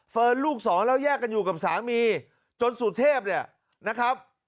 ลูกสองแล้วแยกกันอยู่กับสามีจนสุเทพเนี่ยนะครับ